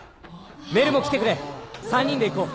メルも来てくれ３人で行こう。